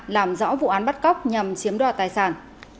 làm rõ vụ án bắt cóc nhằm chiếm đoạt tài sản